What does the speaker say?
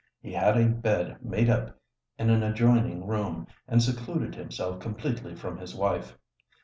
He had a bed made up in an adjoining room, and secluded himself completely from his wife.